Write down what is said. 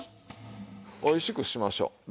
おいしくしましょう。